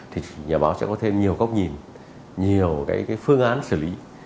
thì nhà báo sẽ có thêm nhiều góc nhìn nhiều cái phương án xử lý